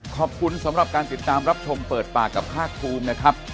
ขอบคุณสำหรับการติดตามรับชมเปิดปากกับภาคภูมินะครับ